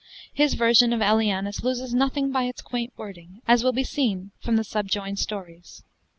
His version of Aelianus loses nothing by its quaint wording, as will be seen from the subjoined stories.